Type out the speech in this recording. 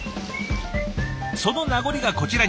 その名残がこちらに。